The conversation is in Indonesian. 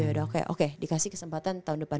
yaudah oke dikasih kesempatan tahun depan